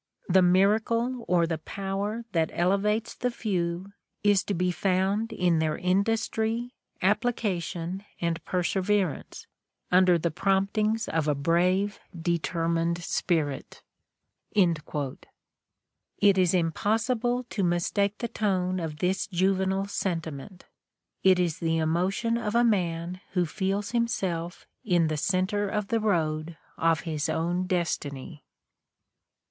The miracle or the power that elevates the few is to be found in their industry, appli cation and perseverance, under the promptings of a brave, determined spirit." It is impossible to mistake the tone of this juvenile sentiment : it is the emotion of a man who feels himself in the center of the road of his own destiny.